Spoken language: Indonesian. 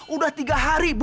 udah tiga hari bu